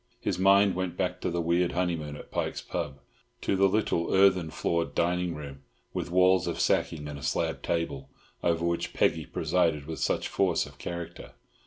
His mind went back to the weird honeymoon at Pike's pub., to the little earthen floored dining room, with walls of sacking and a slab table, over which Peggy presided with such force of character.